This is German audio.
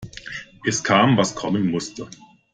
Es kam, was kommen musste.